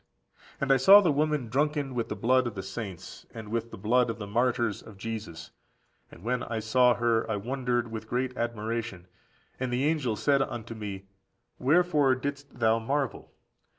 37. "And I saw the woman drunken with the blood of the saints, and with the blood of the martyrs of Jesus: and when I saw her, I wondered with great admiration. And the angel said unto me, Wherefore didst thou marvel?